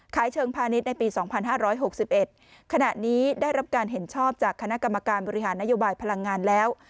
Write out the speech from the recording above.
เชิงพาณิชย์ในปี๒๕๖๑ขณะนี้ได้รับการเห็นชอบจากคณะกรรมการบริหารนโยบายพลังงานแล้ว